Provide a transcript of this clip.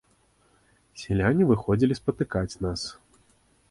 Сяляне выходзілі спатыкаць нас.